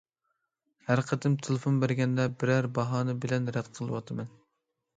ھەر قېتىم تېلېفون بەرگەندە بىرەر باھانە بىلەن رەت قىلىۋاتىمەن.